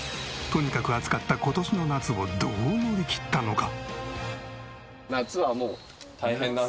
とにかく暑かった今年の夏をどう乗りきったのか？